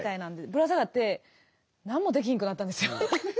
ぶら下がって何もできひんくなったんですよ。